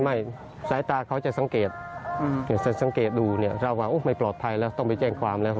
ไม่ใส่ตาเขาจะสังเกตดูเรามันอมยินไหว้ปลอดภัยแล้วต้องไปแจ้งความแล้ว